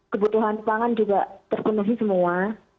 kebutuhan pangan juga terpenuhi semua